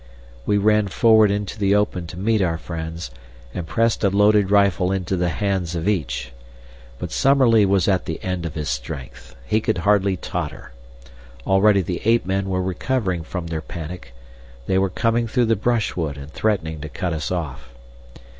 We ran forward into the open to meet our friends, and pressed a loaded rifle into the hands of each. But Summerlee was at the end of his strength. He could hardly totter. Already the ape men were recovering from their panic. They were coming through the brushwood and threatening to cut us off.